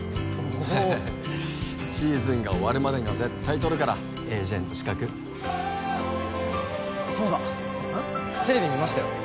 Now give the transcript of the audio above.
おおっシーズンが終わるまでには絶対取るからエージェント資格そうだテレビ見ましたよ